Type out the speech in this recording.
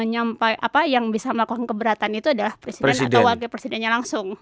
yang bisa melakukan keberatan itu adalah presiden atau wakil presidennya langsung